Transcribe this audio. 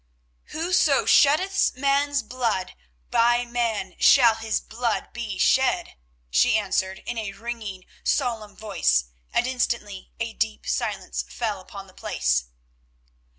"Whoso sheddeth man's blood by man shall his blood be shed," she answered in a ringing, solemn voice, and instantly a deep silence fell upon the place.